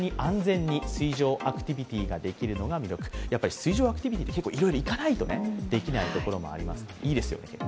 水上アクティビティっていろいろ行かないとできないこともあります。